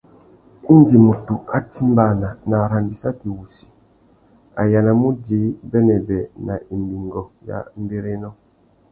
Indi mutu a timbāna nà arandissaki wussi, a yānamú udjï bênêbê nà imbîngô ya mbérénô.